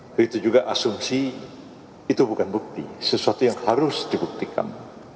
begitu juga asumsi itu bukan bukti sesuatu yang harus dibuktikan